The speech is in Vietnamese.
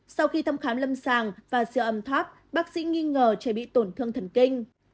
sau khi thăm khám lâm sàng và siêu âm tháp bác sĩ nghi ngờ trẻ bị tổn thương thần kinh